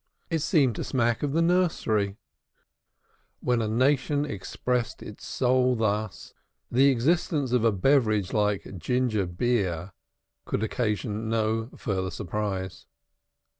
It seemed to smack of the nursery; when a nation expressed its soul thus, the existence of a beverage like ginger beer could occasion no further surprise.